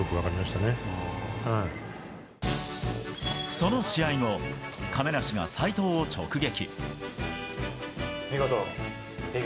その試合後、亀梨が斎藤を直撃。